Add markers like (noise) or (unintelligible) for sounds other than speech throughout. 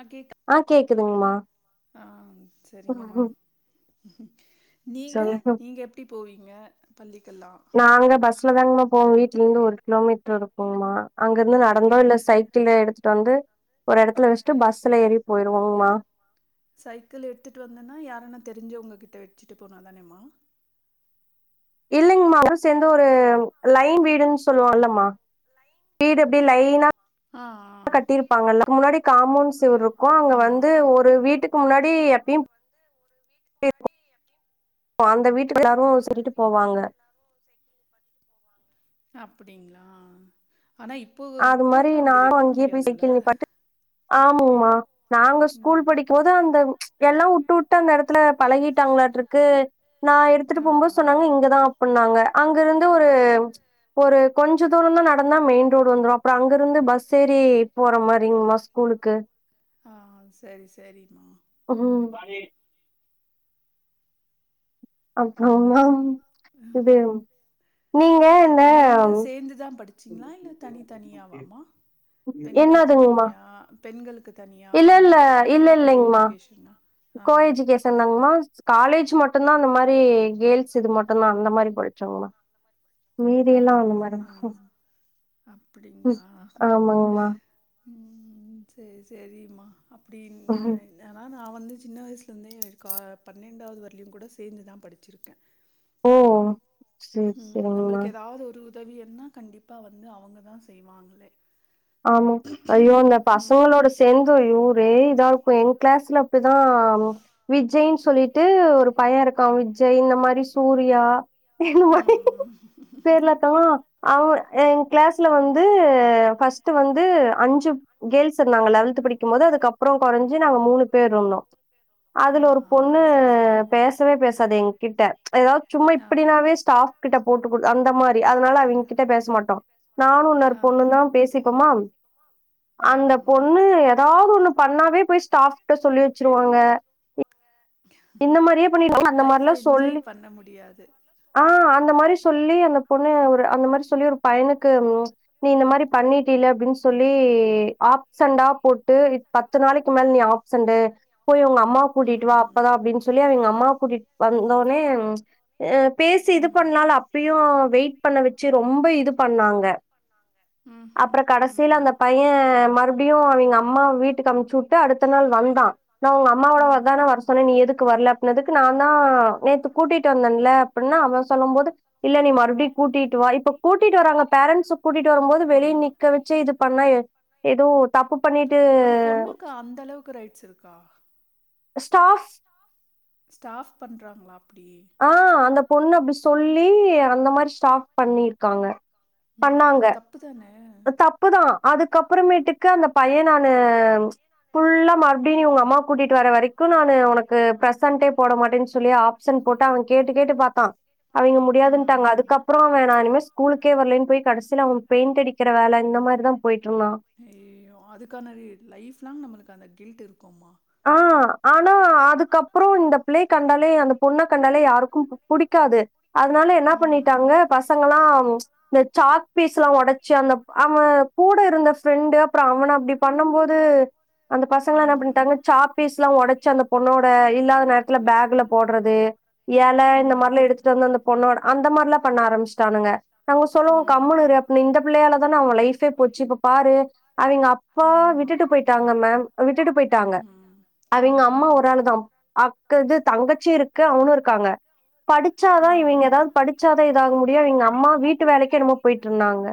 ஆ கேக் குதுங்கமா அ சரிங்கமா (inaudible) நீங்க சொல்லுங்க நீங்க எப்படி போவீங்க பள்ளிக்கெல்லா ப்ப வீட்டு்ல இருந்து ஒரு கிலோமீட்டர் இருக்கும்ங்கமா அங்கிருந்து நடந்தோ ஆ இல்ல சைக்கிள் எடுத்துட்டு வந்து ஒரு எடத்துல வச்சுட்டு பஸ்ல ஏறி போயிருவோங்மா சைக்கிள் எடுத்துட்டு வந்தேன்னா யாரனா தெரிஞ்சவங்ககிட்ட வெச்சுட்டு போனாதானேமா இலலங்ம்மா அத சேந்து ஒரு லைன் வீடுன்னு சொல்லுவோம்ல்லமா வீடு அப்டியே லைனா ஆ ஆ கட்டிருப்பாங்கல்ல முன்னாடி காம்பவுண்ட் (unintelligible) ஹ அங்க ஆமா வந்து ஒரு வீட்டுக் முன்னாடி எப்பயு இருப் அந்த வீட்டுக்கு எல்லாரு சொல்லிட்டு போவாங்க அப்டிங்களா ஆனா இப்போ அது இப்ப மாரி எல்லா அப்டி நானு வைக்க அங்கேயே போய் முடியாதுல்ல சைக்கிள் நிப்பாட்டி ஆமாமா நாங்க ஸ்கூல் படிக்கும் போது அந்த எல்லா வுட்டு வுட்டு அந்த எடத்துல பழகிட்டாங்களாட்ட இருக்கு நான் எடுத்துட்டு போகும்போது சொன்னாங்க இங்கதா அப்டின்னாங்க அங்கிருந்து ஒரு ஒரு கொஞ்ச தூர தா நடந்தா மெயின் ரோடு வந்துறு அப்புறம் அங்க இருந்து பஸ் ஏறி போற மாரிங்கமா ஸ்கூலுக்கு ஆஹ் செரி செரி உம் (unintelligible) இது (inaudible) நீங்க இந்த நீங்க சேர்ந்துதா படிச்சீங்களா இல்ல தனி தனியாவாமா பெண்களுக்கு தனியா பெண்களுக்கு தனியா இல்லல்ல ஆண்களுக்கு தனியா இல்ல கோ இல்லல்லிங்ம்மா எஜுகேஷனா ஆ கோ எஜுகேஷன் தாங்மா காலேஜ் மட்டும்தா அந்த மாரி கேல்ஸ் இது மட்டுந்தா அந்த மாரி படிச்சோங்மா மீதி அஹ் எல்லா அந்த அஹ் மாரிதா ஹா அப்டிங்களா ஆமாங்மா ம் செர் செரிம்மா அப்டின்னு ம் எனா நா நா வந்து சின்ன வயசுலருந்தே கா பன்னெண்டாவது வரையிலு கூட சேந்துதா படிச்சிருக்க ஓ செர் செரிங்மா உதவியன்னா கண்டிப்பா வந்து அவங்கதா செய்வாங்ளே ஆமாங்க ஐயோ அந்த பசங்களோட சேந்து ஐயோ ஒரே இதாருக்கு எங் கிளாஸ்ல அப்டிதா விஜய்ன் சொல்லிட்டு ஒரு பைய இருக்கா விஜய் இந்த மாரி சூர்யா இந்த மாரி ம் பேர்லத்தா அவ் எங் கிளாஸ்ல வந்து ஃபஸ்ட் டு வந்து அஞ்சு கேல்ஸ் இருந்தாங்க லெவல்த் பிடிக்கும் போது அதுக்கப்புறோ கொறஞ்சு நாங்க மூணு பேர்ருந்தோ ஆ அதுல ஒரு ஆ பொண்ணு சரி சரி பேசவே பேசாது எங் கிட்ட எதாவ்து சும்மா ஆ இப்டினாவே ஸ்டாஃப் கிட்ட போட்டு குடு அந்த மாரி அதனால அவங்க கிட்ட பேச மாட்டோ நானு இன்னொரு பொண்ணு ஆஹா தா பேஸ் (unintelligible) அந்த ம் பொண்ணு ஏதாவுது ஒண்ணுப் பண்ணாவே போய் ஸ்டாஃப்ட சொல்லி வெச்சிருவாங்க இந்த மாரியே பண்ணி (inaudible) அந்த லைஃப மாரிலா என்ஜாய் சொல்லி பண்ண முடியாது ஆஹ் அந்த மாரி சொல்லி அந்த பொண்ணு ஒரு அந்த மாரி சொல்லி ஒரு பையனுக்கு நீ இந்த மாரி பண்ணீட்டீல்ல அப்டின் சொல்லி ஆப்சண்டா போட்டு பத்து நாளைக்கு மேல நீ ஆப்சண்டு போய் உங்க அம்மாவ ம் கூட்டிட்டு வா ம் னு சொல்லி அவங்க அம்மா கூட்டிட் வந்தோட்னே அ பேசி இது பண்லால அப்பயு வெயிட் பண்ண வச்சி ரொம்ப இது பண்ணாங்க ம் ம் அப்புற ம் கடைசில ம் அந்த பைய மறு ப்டியு அவங்க அம்மாவ வீட்டுக்கு அம்ச்சிவுட்டு அடுத்த நாள் வந்தா நா உங்க அம்மாவோட வர்தான வர்ஸ் ன நீ எதுக்கு வர்ல‌ அப்பின்னதுக்கு நா தா நேத்து கூட்டிட்டு வந்தன்ல அப்பிட்னா அவ சொல்லம்போது இல்ல நீ மறுப்டியு கூட்டிட்டு வா இப்ப கூட்டிட்டு வராங்க பேரண்ஸ்ஸு கூட்டிட்டு வரும்போது வெளியே நிக்க வெச்சே இதுப் பண்ணா ஏதுவு தப்புப் ஒரு பொண்ணுக்கு அந்த அளவுக்கு ரைட்ஸ் இருக்கா ஸ்டாஃப் ஸ்டாஃப் பண்றாங்க்ளா ஆஹ் அந்தப் பொண்ணு அப்டி சொல்லி அந்த மாரி ஸ்டாஃப் பண்ணிருக்காங்க உம் அது தப்புதானே தப்புதா அதுக்கப்புறமேட்டுக்கு அந்த பைய நானு ஃபுல்லா மறுபடியு நீ உங்க அம்மா கூட்டிட்டு வர வரைக்கு நானு உனக்கு பிரசன்டே போட மாட்டேன்னு சொல்லி ஆப்சன்ட் போட்டு அவ கேட்டு கேட்டு பாத்தா அவைங்க முடியாதுன்ட்டாங்க அதுக்கப்புறோ நா இனிமே ஸ் ஸ்கூலுக்கே வரலைன்னு போய் கடைசில அவ பெயிண்ட் அடிக் க்குற வேல இந்த மாரிதா போயிட் ஐயய்யோ அதுக்கான ரீ லைஃப்லாங் நம்பளுக்கு அந்த கில்ட் இருக்கும்மா ஆஹ் ஆனா அதுக்கப்புறோ இந்த பிள்ளைய கண்டாலே அந்த பொண்ண கண்டாலே யாருக்கும் பு புடிக்காது அதனால என்ன பண்ணிட்டாங்க பசங்களாம் ச் இந்த சாக் பீஸ்லா ஒடச்சு அந்த அவ கூட இருந்த ஃப்ரெண்டு அப்புற அவன அப்டி பன்னும் போது அந்த பசங்க பசங்களா என்ன பண்ணிட்டாங்க சாப்பீஸ்லா ஒடச்சு அந்த பொண்ணோட இல்லாத நேரத்துல பேக்ல போட்றது ஏல இந்த மாரிலா எடுத்துட்டு வந்து அந்த பொண்ணோட அந்த மாரிலாப் பண்ண ஆரம்பிச்சுட்டானுங்க நாங்க சொல்லுவோ கம்முனு இரு அப்ப இந்த பிள்ளையால தான அவ லைஃப் ப்பே போச்சி இப்ப பாரு அவங்க அப்பா அவிங்க ஆமா விட்டுட்டு போயிட்டாங்க மேம் விட்டுட்டு போயிட்டாங் அவங்க அம்மா ஒரு ஆளுதான் அப் த்தது தங்கச்சி இருக்கு அவனும் இருக்காங்க படிச்சாதான் இவங்க படிச்சாதா ஏதாவது படிச்சாதா ஆக முடியும் இவங்க அம்மா வீட்டு வேலைக்கு என்னமோ போயிட்டு இருந்தாங்க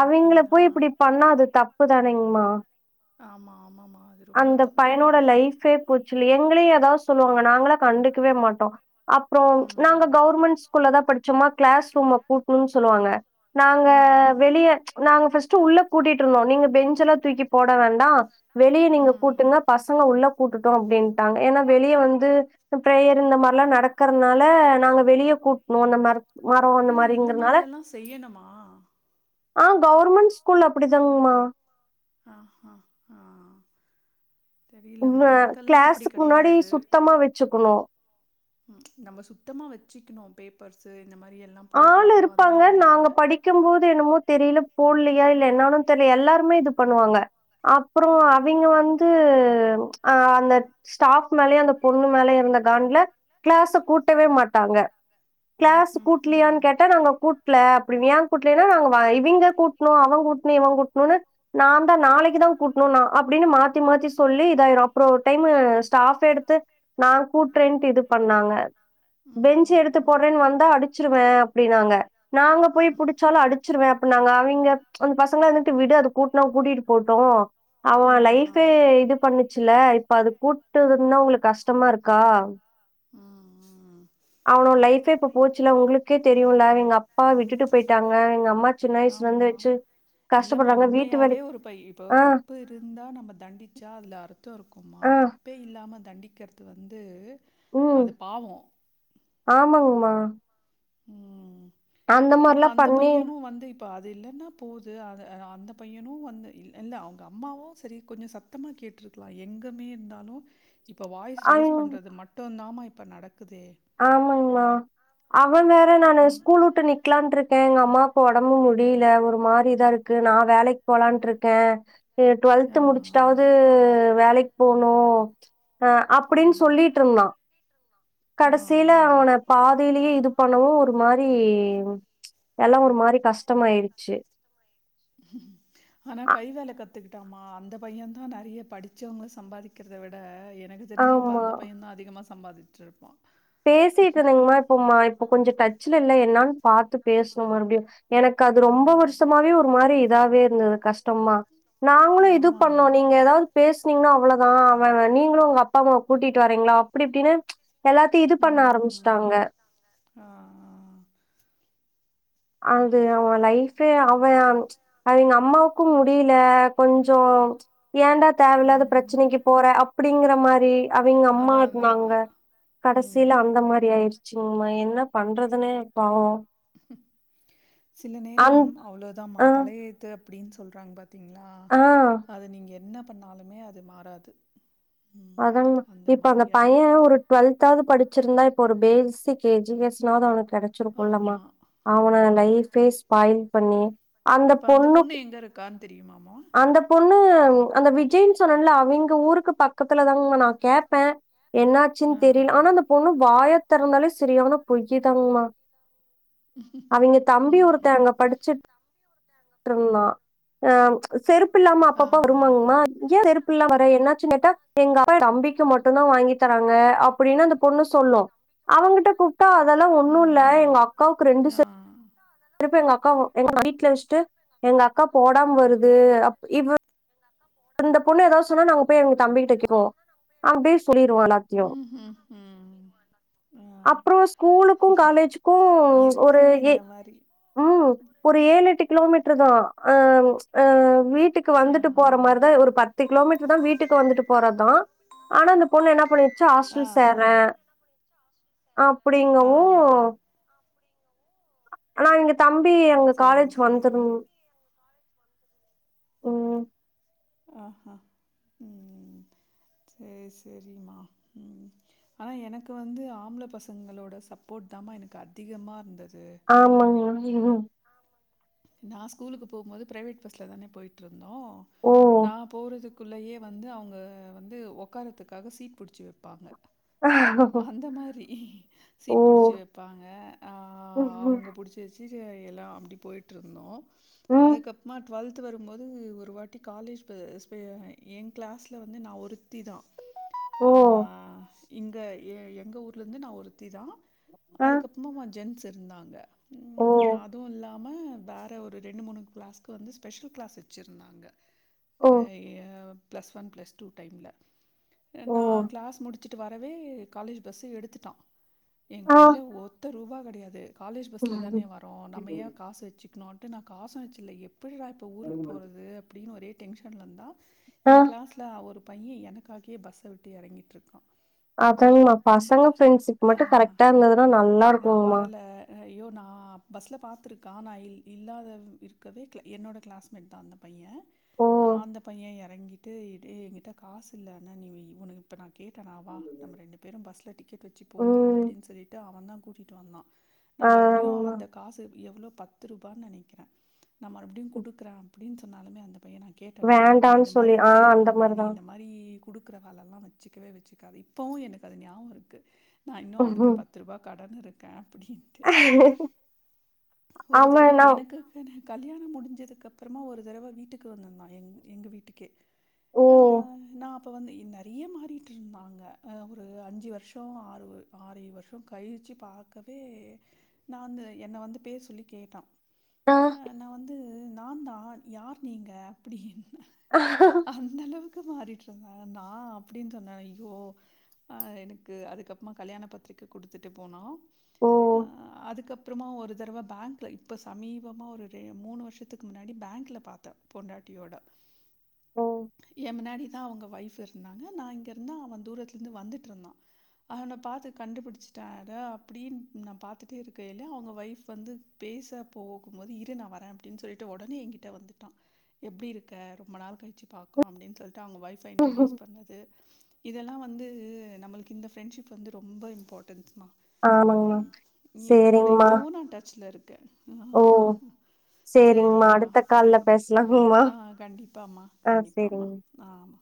அவிங்கள அப்டிங்களா போய் இப்படி பண்ணா அது தப் ப்புதானேங்கமா (inaudible) பயனோட லைஃப்பே போச்சுல எங்களையு ஏதாவது சொல்லுவாங்க நாங்கலா கண்டுக்கவே மாட்டோம் அப்புறம் நாங்க ம் கவுர்மெண்ட் ஸ்கூல்ல தான் படிச்சோம்மா கிளாஸ் ரூம்ம கூட்னு சொல்லுவாங்க நாங்க ம் வெளிய நாங்க ஃபர்ஸ்ட்டு உள்ள கூட்டிட்டு இருந்தோம் நீங்க பெஞ்சல்லாம் தூக்கி போட வேண்டாம் வெளியே நீங்க வெளிய கூட்டுங்க உள்ள கூட்டுட்டோ அப்படின்ட்டாங்க ஏன்னா வெளிய வந்து பிரேயர் இந்த மார்லா நடக்கறதுனால நாங்க வெளிய கூட்னோ இந்த மாரி இல்ல இந்த மாரி எல்லா செய்யணுமா ஆ கவுர்மெண்ட் ஸ்கூல் அப்டி தாங்கமா ஆ ஆ ஆ உங்க தெரியலமா இங்கெல்லா அப்படி கிளாசுக்கு முன்னாடி கெடையாது சுத்தமா வச்சுக்கணு ம் நம்ம சுத்தமா வச்சுக்கணு பேப்பர்ஸ்சு ஆள் இருப்பாங்க நாங்க படிக்கும் போது என்னமோ தெரியல போட்லயா இல்ல என்னனு தெரியல எல்லாருமே இது பண்ணுவாங்க அப்புறோ அவிங்க வந்து அந்த ஸ்டாப் மேலயு அந்த பொண்ணு மேலயு இருந்த காண்ல கிளாஸ கூட்டவே மாட்டாங்க ம் ம் ட்லயானு ம் கேட்டா நாங்க கூட்ல அப்டினு ஏ கூாட்லனா நாங் இவிங்க கூட்னு அவ கூட்னு இவ கூட்னு நா தா நாளைக்கு தா கூட்னுனா அப்டின்னு மாத்தி மாத்தி சொல்லி இதாயிரு அப்புறோ ஒரு டைம் ஸ்டாஃப் எடுத்து நா கூட் ரெண்ட் இது பண்ணாங்க ம் பெஞ்ச் ம் எடுத்து போடுறேன்னு வந்தா அடிச் ச்சுருவே அப்டின்னாங்க நாங்க போய் புடுச்சாலு அடிச்சிருவே அப் நாங்க அவிங்க அந்த பசங்கள இருந்துட்டு விடு அது கூட்னா கூட்டிட்டு போட்டு ஆ அவன் லைஃபே இது பண்ணு சுல இப்ப அது கூட்டுறது னா உங்களுக்கு கஷ்டமா இருக்கா ஹம் உஹம் அவனோட லைஃபே இப்ப போச்சுல உங்களுக்கே தெரியும்ல எங்க அப்பா விட்டுட்டு போயிட்டாங்க எங்க அம்மா சின்ன வயசுலருந்து ஆமா வச்சு இல்லமா கஷ்டப்படுறாங்க. வீட்டு வேலை உண்மையாவே ஒரு ப் பை இப்போ ஆ, தப்பு இருந்தா நம்ம தண்டுச்சா அதுல அர்த்தோ இருக்கு மா ஆ, தப்பே இல்ல நம்ம தண்டிக்கிறது வந்து ம் அது பாவோ ஆமாங்மா ஹ உம் அந்த மாறலா பண்ணி ப்போ அது இல்லைன்னா போகுது அ அந்த பையனும் வந்து இல்ல அவங்க அம்மாவும் செரி கொஞ்சம் சத்தமாக கேட்டுருக்கலாம் எங்கேுமே இருந்தாலும் இப்ப வாய்ஸ் ரைஸ் பண்றது மட்டுதாம இப்ப நடக் ஆமாங்மா ஆஹ அவ வேற நான் ம் ஸ்கூல் விட்டு நிக்கலானு இருக்கேன்ங்க அம்மாக்கு உடம்பு முடியல ஒரு மாதிரிதா இருக்கு நா வேலைக்கு போலான்ட்டு இருக்கே கே டுவெல்து ஆ முடிச்சுட்டாவது வேலைக் போனு அஹ் அப்படின்னு ஆம் சொல்லிட்டு இருந்தான் ஆ கடைசியில அவன ஆ பாதியிலயே இது பண்ணவும் ஒரு மாரி ச்சு எல்லா ஒரு மாரி கஷ்டம் ஆயிடுச்சு ஆனா கை வேலை கத்துக்கிட்டாமா அந்த பையன் தான் நெறைய படிச்சவங்க சம்பாதிக்கிறதை விட என் எனக்கு தெரிஞ்சு இப்ப ஆமா அந்த பையும் அதிகமாக சம்பாதிட்டு இருப்போம் பேசிட்டு இருந்தீங்கமா இப்போ மா இப்போ கொஞ்சோ டச்ல இல் என்னு பாத்து பேசணும் மறுபடியும் எனக்கு அது ரொம்ப வருஷமாவே ஒரு மாரி இதாவே இருந்தது கஷ்டமா நாங்களும் இது ஆனா அவ பண்ணோம் நீங்க ஏதாவது பேசனீங்கன்னா அவ்ளோ ஆ அவ வ நீங்களும் உங்க அப்பா அம்மா கூட்டிட்டு வரீங்களா அப்படி அப்படின்னு ச்சு எல்லாத்த இது பண்ண ஆரம்பிச்சிட்டாங்க அது அவ லைஃப் த்து அவ அங் ச்சு அங்க அம்மாவுக்கும் முடியல கொஞ்சோ ச்சு ஏன்டா தேவையில்லாத பிரச்சனைக்கு போற அப்டிங்கற மாரி அவுங்க அம்மா அதா அதா இருதாங்க ம் கடைசியில அந்த மாரி ஆயிடுச்சி சமா என்ன பண்றதுன்னே பாவோ சில நேரம் அவ்ளோதமா ஆ தலையேத்து அப்டின்னு சொல்றாங்க பாத் திங்களா ஆ அத நீங்க என்ன ப பண்ணாலுமே அது மாறாது ம். அத இப்ப மாரி அந்த பைய்யே ஆயிடும். ஒரு டூ வெல்தாவது படிச் ச்சிருந்தா இப்ப ஒரு பேசி எஜுகேஷனாவது அவனுக்கு கெடைச்சிருக்கும் இல்லமா அவனுக்கு ஆமா. அவனேட ஆமாமா. லைபே ஸ்பாய பண்ணி இப்ப அந்த பொண்ணு எங்க இருக்கான்னு தெரியுமாமா அந்த பொண்ணு அந்த விஜய்னு சொன்னல்ல அவிங்க ஊருக்கு பக்க பக்கத்துல தாங்க மா நா கேட்பே என்னாச்சின்னு ஆ. தெரில ஆனா அந்த பொண்ணு வாய திறந்தாலே செரியான பொய்யுதாங்கமா அவுங்க தம்பி ம். ஒருத்த ம். அங்க படிச்சுட் டிருந்தா ஆ செருப் இல்லாம ஆ, அப்பப்பா வருவாங்கமா ஆ. ஏயா செருப்பு இல்லாம என்னாச்சுன்னு கேட்ட எங்க அப்பா தம்பிக்கு மட்டும் தா வாங்கி தராங்க அப்டின்னு அந்த பொண்ணு சொல்லு அவுங்கிட்ட கூப் அக்கா அதெல்லா ஒண்ணும் இல்ல எங்க அக்காவுக்கு ஆஹ் செருப் எங்க அக்கா எங்க வீட்டுல வெச்சுட்டு எங்க அக்கா போடாம வருது அப இ இந்த பொண்ணு ஏதாவது சொன்னா நாங்க போய் எங்க தம்பிக்கிட்ட கேப்போ அப்டி சொல்லிருவான் எல்லாத்தையு ம்ஹும் ம் ம் ஆ அப்புறோ ஸ்கூலுக்கும் காலேஜுக்கும் ஒரு இருக்காங்க இந்த மாரி ம் ஒரு ஏழு எட்டு கிலோமீட்டர் தா அம் ஆ வீட்டு க்கு ஆ வந்துட்டு போற மாரி பத்து கிலோமீட்டர் தா வீட்டுக்கு வந்துட்டு போறர்தா ஆனா அந்த பொண்ணு என்ன பண்ணி ஆ ஆ ஹாஸ்டல் சேர்றே ஆ ஆ அப்டிங்கவோ ஆனா இங்க தம்பி எப்டி அங்க சேரி காலேஜ் வந்துரோ சேரிம்மா ஓ ஆஹ்ஹ ம் செரி செரிமா உம் ஆனா எனக்கு வந்து ஆம்ள பசங்களோட சப்போர்ட் தாமா எனக்கு அதிகமா இருந்தது ஆமாங்க (unintelligible) நா ஸ்கூலுகு போம்போது பிரைவேட் பஸ்ல தானே போயிட்டு ந்தோம் ஓ! நான் போறதுக்கு க்குள்ளயே வந்து அவுங்க வந்து உக்காரதுக்காக சீட் பிடிச்சி வைப்பாங்க அந்த மாரி ஓ! சீட் புடிச்சி வைப்பாங்க அ ம்ஹ்ம். அவங்க புடிச்சு வச்சு எல்லாம் அப்டி போய்ட்டு இருந்தோம் ம். அதுக்கப்புறமா டுவெல்த் பத்து வரும்போது ஒரு வாட்டி காலேஜ் என் கிளாஸ்ல வந்து நான் ஒருத்தி தான் ஓ இங்க எ எங்க ஊர்லேருந்து நான் ஒருத்தி தான் ஆ. அதுக்கப்புறமா ஜென்ஸ் திருந்தாங்க ஓ ஆம வேற ஒரு ரெண்டு மூணு கிளாஸ்க்கு வந்து ஸ்பெஷல் கிளாஸ் வச்சுிருந்தாங்க ஓ ப்ளஸ் ஒன் ப்ளஸ் டூ டைம்ல எ ஓ! நா க்ளாஸ் முடிச்சு ட்டு வரவே காலேஜ் பஸ்சு எடுத்துட்டான் ஏன் ஆ. கைல ஒத்த ரூபா கடையாது காலேஜ் பஸ்ல தானே வரோ நம்ம ஏன் காஸ் வெச்சுக்ணும் டு நா காசும் வெச்சில எப் ப்புடிவாப்ப ஊருக் போறது அப்டின் ஒரே டென்ஷன்லந்தா ஆ. என் க்ளாஸ்ல ஒருப் பையன் எனக்காக்யே பஸ்ஸ விட்டு எறங்கிட்ருக்கான் அதாங்மா பசங்க ப்ரெண்ஷிப் மட்டும் கரெக்ட்டா இருந்ததுன்னா நல்லா நா இருக்குங்மா வரல ஐயோ நா பஸ்ல பாத்துருக்கான் நான் இல் இல்லாத இருக்கவேக்ல என்னோட க்ளாஸ்மேட் தான் அந்த பையன் ஓ! அந்த பையன் ய எறங்கிட்டு எ டே எங்கிட்ட காசு இல்ல ஆனா நீ உய் உனுக்கு இப்ப நா கேட்டனா வா நம்ம ரெண்டு பஸ்ல டிக்கெட் வச்சு போலா ம். அப்டின் சொல்லிட்டு அவந்தா கூட்டிட்டு வந்தா நா ஆ மறுப்டியு அந்த காசு எவ்ளவ் பத்து ரூபா நெனக்கிறே நா மறுபுடியும் குடுக்குற அப்டின் சொன்னாலுமே அந்தப் பய நா கேட்டனா நீ வேண்டான்னு இந்த சொல்லி மாரி ஆ திரு அந்த ஆமா நீ மாரிதா இந்த மாரி குடுக்குற வேலல்லா வச் சிக்கவே வெச்சுக்காது இப்பவு எனக் அது ஞாவுகருக்கு நா இன்னு அவனுக்கு பத்து ரூபா கடனுருக் கிட்டு ஒரு தரவ அவன் நா எனக்கு ஃபென கல்யாணம் முடிஞ்சதுக்கு அப்றமா ஒரு தரவ வீட்டுக்கு வந்துற்ந்தான் எங் எங்க வீட்டுக்கே ஓ ஆஹ் நாப் ப்ப வந்து இ நெறைய்ய மாறிட்டுருந்தாங்க அ பு அஞ்சு வர்ஷ்ஷொ ஆறுவ் ஆறே வர்ஷொ கழிச்சி பாக்கவே நாந்து என்ன வந்து பேர் சொல்லி கேட்டா ஆ அஹ் நா வந்து நாந்தா யார் நீங்க அப்டின் அந்தளவுக் இக்கு ஆடிட்டு இருந்தேன் நா அப்டின் சொன்ன ஐயோ ஆ எனக்கு அதுக்கப்பமா கல்யாண பத்ரிக்க குடுத்துட்டு போனோ ஓ அப்றமா ஒரு தறவ பேங்ல இப்ப சமீபமா ஒரு ரே மூணு வருஷதுக்கு முன்னாடி பேங்ல பார்த்தே பொண்டாட்டியோட ஓ ஏமுன்னாடி அவங்க வைஃப் இருந்தாங்க நான் இங்க இருந்து அவன் தூரத்தில இருந்து வந்துட்டு நின்னுட்டு இருந்தா அவன பாத்து கண்டு புடிச்சிட்டே அட அப்டின்னு நா பாத்துட்டு இருக்கையில அவுங்க வைஃப் வந்து பேச போகும் போது இரு நா வரே அப்டின் சொல்லிட்டு உடனே என்கிட்ட வந்துட்டா எப்டி இருக்க ரொம்ப நாள் கழிச்சி பாக்குறோ அப்டின் சொல்லிட்டு அவுங்க வைஃப் ஆ இன்டிட்யூஸ் பண்ணது இதெல்லா வந்து நம்மளுக்கு இந்த ஃப்ரெண்ட்ஷிப் வந்து ரொம்ப இம்பார்டன்ட்ஸ் ஆமா ஆமாங்மா இன்னு இவங்களோட சேரிங்மா இப்பவு நா டச்சில இருக் ஆ ஓ சேரிங்மா செரிம்மா அடுத்த கால்ல செரி பேசலாங்மா ஆ கண்டிப்பமா ஆ கண்டிப்பமா சேரிங் ஆ ஆமா